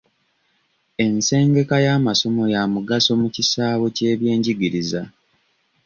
Ensengeka y'amasomo ya mugaso mu kisaawe ky'ebyenjigiriza.